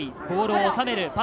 ボールを収める。